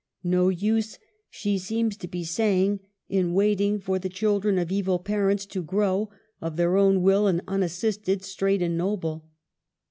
No use, she seems to be saying, in waiting for the children of evil parents to grow, of their own will and unassisted, straight and noble.